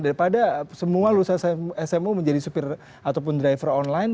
daripada semua lulusan smu menjadi supir ataupun driver online